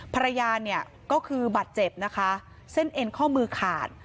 ภรรยาก็คือบัตรเจ็บนะคะเส้นเอ็นข้อมือขาด